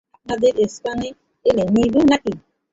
আপনাদেরকে শ্যাম্পেন এনে দিবো নাকি?